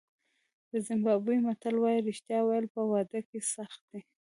د زیمبابوې متل وایي رښتیا ویل په واده کې سخت دي.